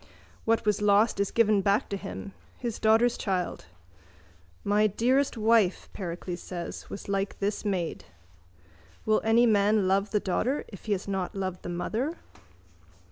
What was lost is given back to him: his daughter's child. My dearest wife, Pericles says, was like this maid. Will any man love the daughter if he has not loved the mother?